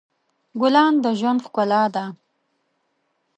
ګلان د ژوند ښکلا ده.